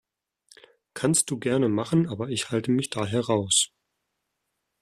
Kannst du gerne machen, aber ich halte mich da heraus.